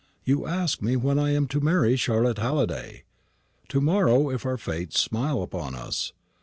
You ask me when I am to marry Charlotte Halliday. To morrow, if our Fates smile upon us.